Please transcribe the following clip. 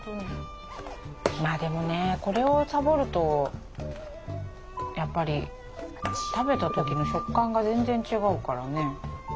まあでもねこれをサボるとやっぱり食べた時の食感が全然違うからね